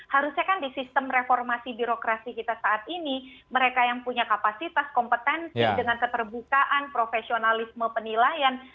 harusnya kan di sistem reformasi birokrasi kita saat ini mereka yang punya kapasitas kompetensi dengan keterbukaan profesionalisme penilaian